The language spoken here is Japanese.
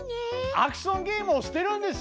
アクションゲームをしてるんですよ！